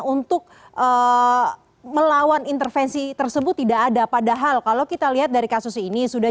untuk melawan intervensi tersebut tidak ada padahal kalau kita lihat dari kasus ini sudah